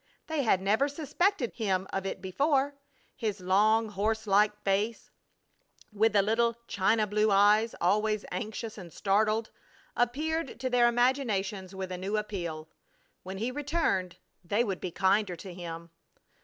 They had never suspected him of it before. His long, horse like face, with the little light china blue eyes always anxious and startled, appeared to their imaginations with a new appeal. When he returned they would be kinder to him.